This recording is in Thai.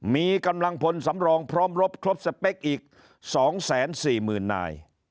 มีกำลังพลสำรองพร้อมรบครบสเปคอีก๒๔๐๐๐นาย